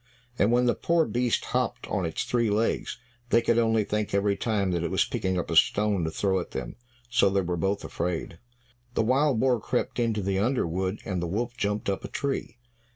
And when the poor beast hopped on its three legs, they could only think every time that it was picking up a stone to throw at them. So they were both afraid; the wild boar crept into the under wood and the wolf jumped up a tree.